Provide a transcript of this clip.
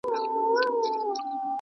اخیر واری د ساغر سو